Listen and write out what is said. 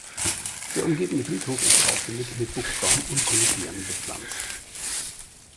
Der umgebende Friedhof ist aufwändig mit Buchsbaum und Koniferen bepflanzt.